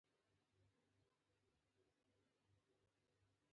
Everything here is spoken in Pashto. چې د پاڼو په منځ کې پټه ځړېدله.